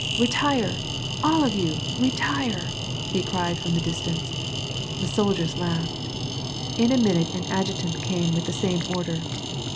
" Retire ! all of you, retire !" he cried from the distance. The soldiers laughed. In a minute an adjutant came with the same order.